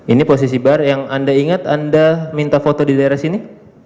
ini posisi bar yang anda ingat anda minta foto di daerah sini